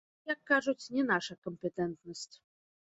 Гэта, як кажуць, не наша кампетэнтнасць.